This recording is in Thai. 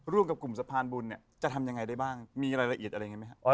ร่วมกับกลุ่มสะพานบุญเนี่ยจะทำยังไงได้บ้างมีรายละเอียดอะไรอย่างนี้ไหมครับ